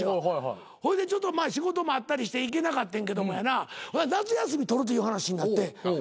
ほいでちょっと仕事もあったりして行けなかったけどもやな夏休み取るという話になって。